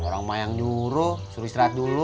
orang emak yang juru suruh istirahat dulu